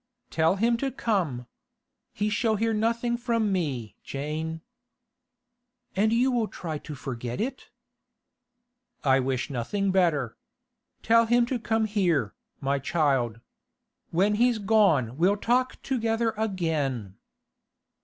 'Tell him to come. He shall hear nothing from me, Jane.' 'And you will try to forget it?' 'I wish nothing better. Tell him to come here, my child. When he's gone we'll talk together again.